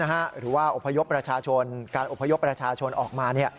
หรือว่าอพยพประชาชนการอบพยพประชาชนออกมา